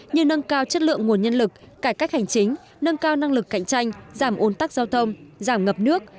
như nâng cao chất lượng nguồn nhân lực cải cách hành chính nâng cao năng lực cạnh tranh giảm ồn tắc giao thông giảm ngập nước